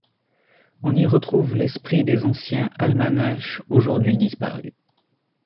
On y retrouve l'esprit des anciens almanachs aujourd'hui disparus.